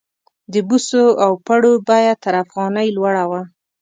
د بوسو او پړو بیه تر افغانۍ لوړه وه.